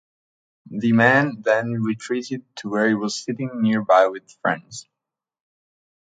The man then retreated to where he was sitting nearby with friends.